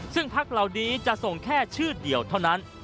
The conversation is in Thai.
ซึ่งพักเหล่านี้จะส่งแค่ชื่อเดียวเท่านั้น